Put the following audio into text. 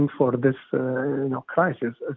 diperlukan untuk krisis ini